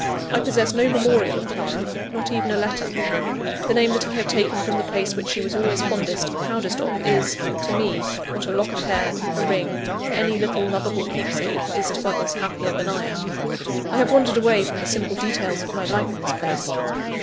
I possess no memorial of Clara, not even a letter. The name that I have taken from the place which she was always fondest and proudest of, is, to me, what a lock of hair, a ring, any little loveable keepsake, is to others happier than I am. I have wandered away from the simple details of my life in this place.